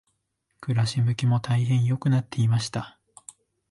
暮し向きも大変良くなっていました。